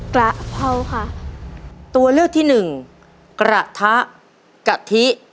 กระเพราค่ะตัวเลือกที่หนึ่งกระทะกะทิ